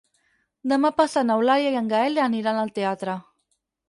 Demà passat n'Eulàlia i en Gaël aniran al teatre.